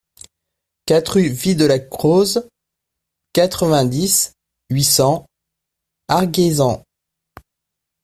quatre rUE VIE DE LA CROZE, quatre-vingt-dix, huit cents, Argiésans